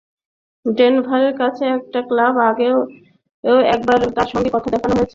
ডেনভারের কাছে একটা ক্লাবে আগেও একবার তাঁর সঙ্গে আমার দেখা হয়েছিল।